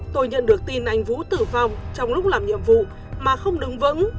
tôi nhận được tin anh vũ tử vong trong lúc làm nhiệm vụ mà không đứng vững